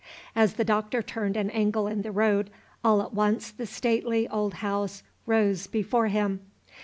As the doctor turned an angle in the road, all at once the stately old house rose before him.